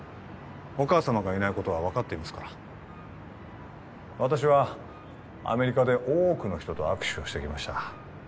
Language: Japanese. お母様がいないことは分かっていますから私はアメリカで多くの人と握手をしてきました